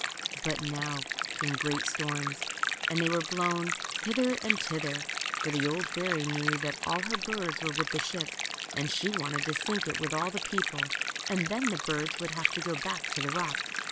But now came great storms, and they were blown hither and thither, for the old fairy knew that all her birds were with the ship, and she wanted to sink it with all the people, and then the birds would have to go back to the rock.